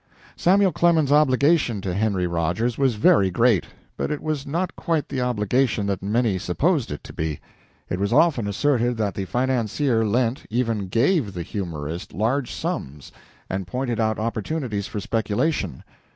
Samuel Clemens's obligation to Henry Rogers was very great, but it was not quite the obligation that many supposed it to be. It was often asserted that the financier lent, even gave, the humorist large sums, and pointed out opportunities for speculation.